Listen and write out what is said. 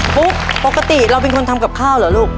ปุ๊กปกติเราเป็นคนทำกับข้าวเหรอลูก